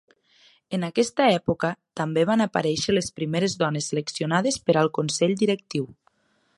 En aquesta època també van aparèixer les primeres dones seleccionades per al Consell Directiu.